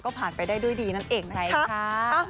ก็ผ่านไปได้ด้วยดีนั่นเองนะคะ